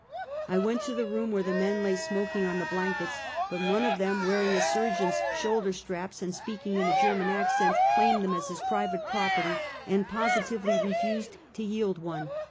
I went to the room where the men lay smoking on the blankets; but one of them wearing a surgeon's shou]der sti*aps, and speaking in a German accent, claimed them as his private property, and positively refused to yield one.